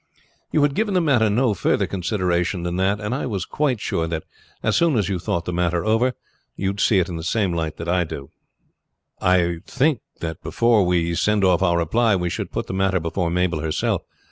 You had given the matter no further consideration than that, and I was quite sure that as soon as you thought the matter over you would see it in the same light that I do. But I think that before we send off our reply we should put the matter before Mabel herself.